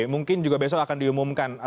mungkin juga besok akan diumumkan